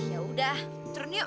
ya udah turun yuk